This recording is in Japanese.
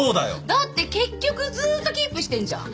だって結局ずっとキープしてんじゃん。